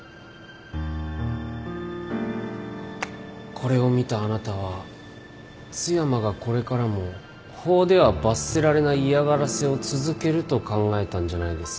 これを見たあなたは津山がこれからも法では罰せられない嫌がらせを続けると考えたんじゃないですか？